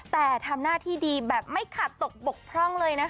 แต่ทำหน้าที่ดีแบบไม่ขาดตกบกพร่องเลยนะคะ